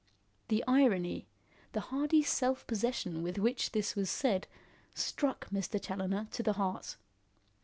The irony, the hardy self possession with which this was said struck Mr. Challoner to the heart.